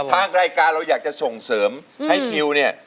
ทางรายการเราอยากจะส่งเสริมให้คิวเนี่ย